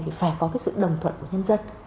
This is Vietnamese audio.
thì phải có sự đồng thuận của nhân dân